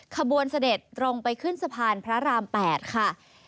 เสด็จตรงไปขึ้นสะพานพระราม๘ค่ะ